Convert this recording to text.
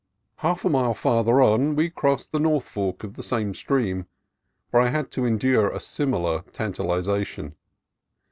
Half a mile farther on we crossed the north fork of the same stream, where I had to endure a similar tantalization.